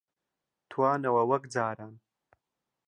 توانەوە وەک جاران